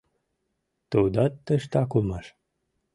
Тудат тыштак улмаш.